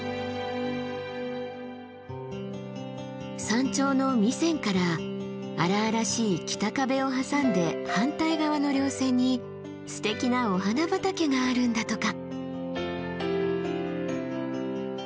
山頂の弥山から荒々しい北壁を挟んで反対側の稜線にすてきなお花畑があるんだとか。